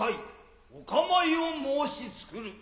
お構ひを申しつくる。